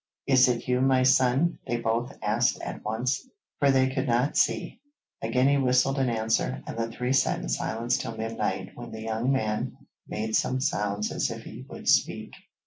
'Is it you, my son?' they both asked at once, for they could not see. Again he whistled in answer, and the three sat in silence till midnight when the young man made some sounds as if he would speak.